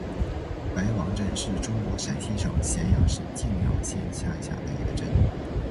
白王镇是中国陕西省咸阳市泾阳县下辖的一个镇。